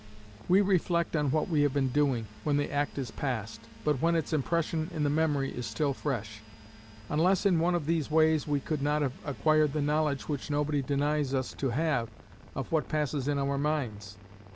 We reflect on what we have been doing, when the act is past, but when its impression in the memory is still fresh. Unless in one of these ways, we could not have acquired the knowledge, which nobody denies us to have, of what passes in our minds.